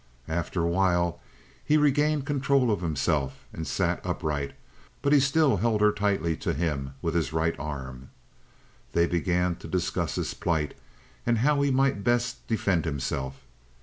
After a while he regained control of himself, and sat upright. But he still held her tightly to him with his right arm. They began to discuss his plight and how he might best defend himself.